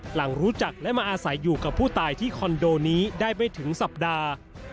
หลังรู้จักและมาอาศัยอยู่กับผู้ตายที่คอนโดนี้ได้ไม่ถึงสัปดาห์